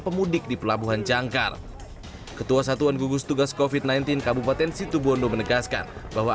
pemudik di pelabuhan jangkar ketua satuan gugus tugas kofit sembilan belas kabupaten situbondo menegaskan bahwa